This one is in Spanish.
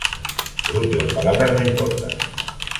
Sus últimas palabras, ""No importa.